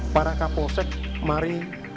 para kapolsek mari berinovasi